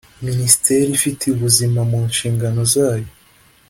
minisiteri ifite ubuzima mu nshingano zayo